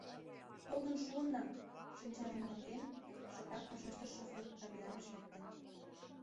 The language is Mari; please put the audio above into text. — Толын шуынна, — шинчажым кораҥден, шыпрак вашештыш шофёр, кабина гыч лекте.